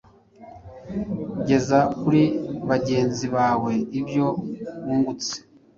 Geza kuri bagenzi bawe ibyo wungutse